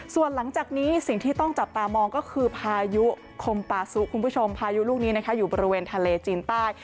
ส่วนหลังจากนี้สิ่งที่ต้องจับตามองก็คือพายุคมปาซุคุณผู้ชมพายุลูกนี้นะคะอยู่บริเวณทะเลจีนใต้